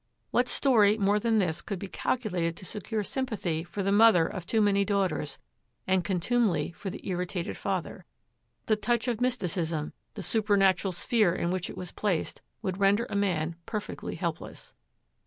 What story more than this could be calculated to secure sympathy for the mother of too many daughters, and contumely for the irritated father? The touch of mysticism, the supernatural sphere in which it was placed, would render a man perfectly helpless.